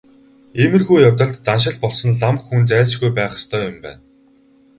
Иймэрхүү явдалд заншил болсон лам хүн зайлшгүй байх ёстой юм байна.